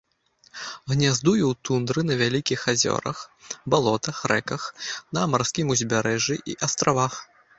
Гняздуе ў тундры на невялікіх азёрах, балотах, рэках, на марскім ўзбярэжжы і астравах.